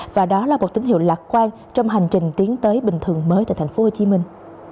và đó là một tín hiệu lạc quan trong hành trình tiến tới bình thường mới tại thành phố hồ chí minh